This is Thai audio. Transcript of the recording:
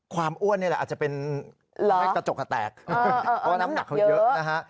ความอ้วนเนี้ยแหละอาจจะเป็นกระจกกระแตกเพราะว่าน้ำหนักเขาเยอะนะฮะ